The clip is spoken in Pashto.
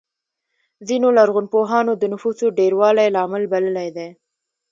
ځینو لرغونپوهانو د نفوسو ډېروالی لامل بللی دی